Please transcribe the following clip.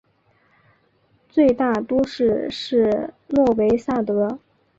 最大都市是诺维萨德。